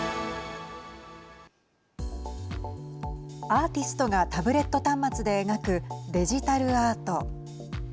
アーティストがタブレット端末で描くデジタルアート。